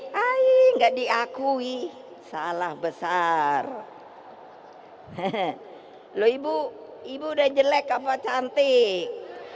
hai nggak diakui salah besar hehehe lo ibu ibu dan jelek apa cantik